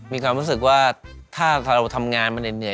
มีความรู้สึกว่าถ้าเราทำงานมาเหนื่อย